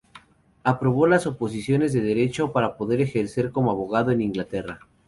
Aprobó las oposiciones de Derecho para poder ejercer como abogado en Inglaterra.